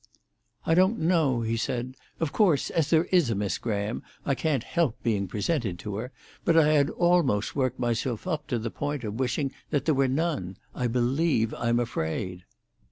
"I don't know," he said. "Of course, as there is a Miss Graham, I can't help being presented to her, but I had almost worked myself up to the point of wishing there were none. I believe I'm afraid."